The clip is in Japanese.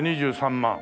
２３万。